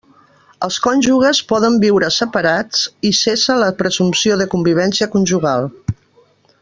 Els cònjuges poden viure separats, i cessa la presumpció de convivència conjugal.